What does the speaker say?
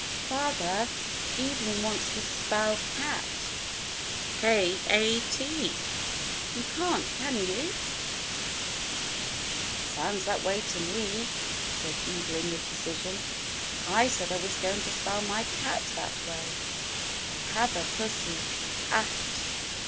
"Father, Evelyn wants to spell cat, h a t; you can't, can you.^" "It sounds that way to me," said Evelyn with decision. "I said I was going to spell my cat that way — I have a pussy k a t.